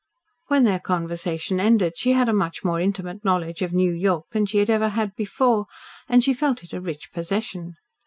When their conversation ended she had a much more intimate knowledge of New York than she had ever had before, and she felt it a rich possession.